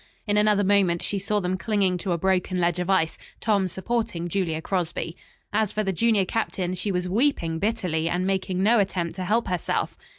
In another moment she saw them clinging to a broken ledge of ice, Tom supporting Julia Crosby. As for the junior captain, she was weeping bitterly, and making no attempt to help herself.